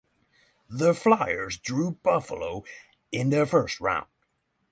The Flyers drew Buffalo in the first round.